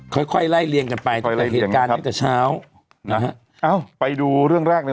ค่อยค่อยไล่เรียงกันไปจากเหตุการณ์เมื่อกี้เช้านะฮะเอ้าไปดูเรื่องแรกเลย